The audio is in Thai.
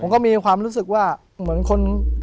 ผมก็ไม่เคยเห็นว่าคุณจะมาทำอะไรให้คุณหรือเปล่า